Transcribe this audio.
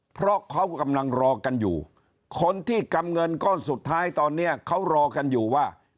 เพราะเขากำลังรอกันอยู่คนที่กำเงินก้อนสุดท้ายตอนนี้เขารอกันอยู่ว่า